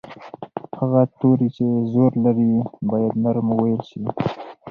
هغه توری چې زور لري باید نرم وویل شي.